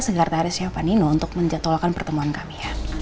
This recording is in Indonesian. sekretarisnya pak nino untuk menjatuhkan pertemuan kami